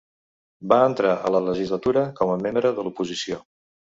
Va entrar a la legislatura com a membre de l'oposició.